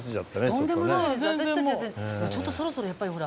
ちょっとそろそろやっぱりほら。